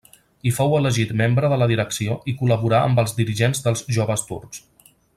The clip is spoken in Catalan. Hi fou elegit membre de la direcció i col·laborà amb els dirigents dels Joves Turcs.